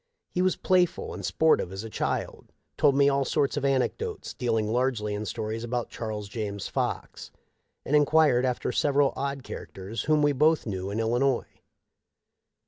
He was playful and sportive as a child, told me all sorts of anecdotes, dealing largely in stories about Charles James Fox, and enquired after several odd characters whom we both knew in Illinois.